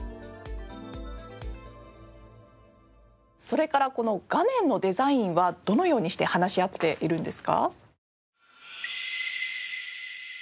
それからこの画面のデザインはどのようにして話し合っているんですか？